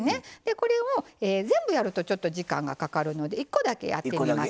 これを全部やるとちょっと時間がかかるので１個だけやってみますね。